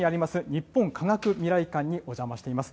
日本科学未来館にお邪魔しています。